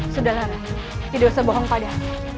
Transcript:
sudahlah rai tidak usah bohong padah